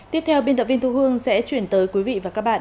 tiếp theo biên tập viên thu hương sẽ chuyển tới quý vị và các bạn